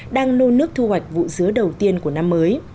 đang nô nước thu hoạch vụ dứa đầu tiên của năm mới